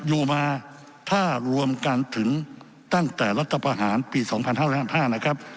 อยู่มาถ้ารวมกันถึงตั้งแต่รัฐประหารปี๒๕๕นะครับ